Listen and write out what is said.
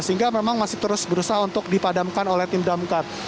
sehingga memang masih terus berusaha untuk dipadamkan oleh tim damkar